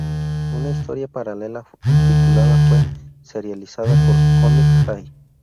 Una historia paralela titulada fue serializada por "Comic High!